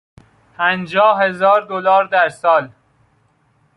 پنجاه هزار دلار در سال